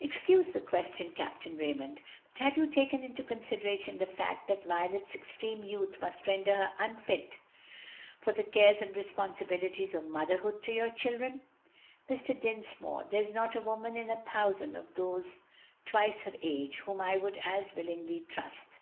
"Excuse the question, Capt. Raymond, but have you taken into consideration the fact that Violet's extreme youth must render her unfit for the cares and responsibilities of motherhood to your children?" "Mr. Dinsmore, there is not a woman in a thousand of those twice her age whom I would as willingly trust.